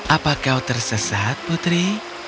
apa kau tersesat putri